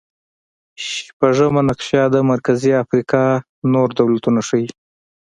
شپږمه نقشه د مرکزي افریقا نور دولتونه ښيي.